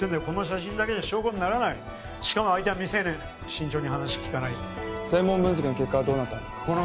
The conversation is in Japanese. この写真だけじゃ証拠にならないしかも相手は未成年慎重に話聞かないと声紋分析の結果はどうなったんですか？